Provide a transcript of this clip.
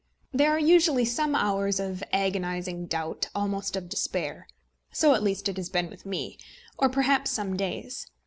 There are usually some hours of agonising doubt, almost of despair, so at least it has been with me, or perhaps some days.